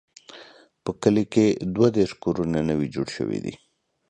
په کلي کې دوه دیرش کورونه نوي جوړ شوي دي.